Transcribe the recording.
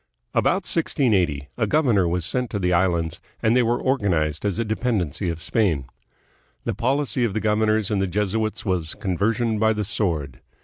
About 1680 a governor was sent to the islands, and they were or ganized as a dependency of Spain. The policy of the governors and the Jesuits was conversion by the sword.